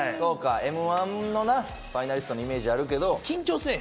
Ｍ−１のファイナリストのイメージあるけど。